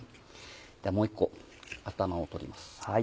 もう１個頭を取ります。